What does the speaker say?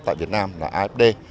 tại việt nam là afd